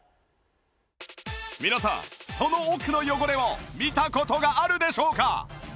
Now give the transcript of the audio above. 皆さんその奥の汚れを見た事があるでしょうか？